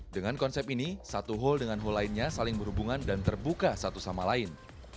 dengan konsep ini satu hal dengan hole lainnya saling berhubungan dan terbuka satu sama lain